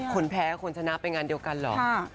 คนแพ้คนชนะไปงานเดียวกันเหรอ